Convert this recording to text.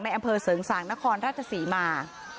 อำเภอเสริงสางนครราชศรีมา